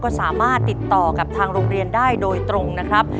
ก็สามารถติดต่อกับทางโรงเรียนได้โดยตรงนะครับ